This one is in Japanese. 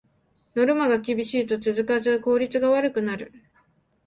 ノルマが厳しいと続かず効率が悪くなる